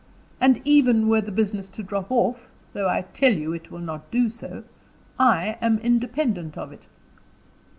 And even were the business to drop off though I tell you it will not do so I am independent of it."